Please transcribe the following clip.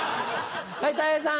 はいたい平さん。